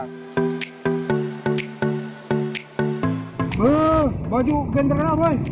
huh baju kentara gue